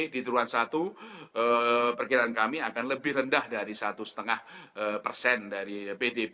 di turunan satu perkiraan kami akan lebih rendah dari satu lima persen dari pdp